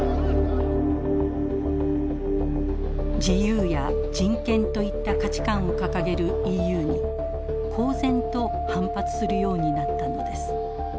自由や人権といった価値観を掲げるＥＵに公然と反発するようになったのです。